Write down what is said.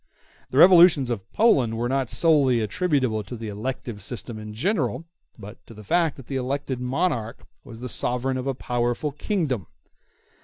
The revolutions of Poland were not solely attributable to the elective system in general, but to the fact that the elected monarch was the sovereign of a powerful kingdom.